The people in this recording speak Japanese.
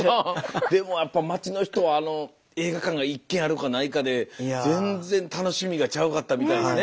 でもやっぱ町の人はあの映画館が１軒あるかないかで全然楽しみがちゃうかったみたいですね。